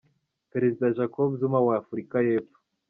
Perezida Jacob Zuma wa Afurika y’Epfo.